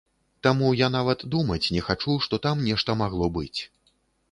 Таму я нават думаць не хачу, што там нешта магло быць.